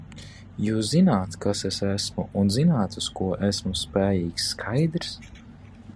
Jūs zināt, kas es esmu, un zināt, uz ko esmu spējīgs, skaidrs?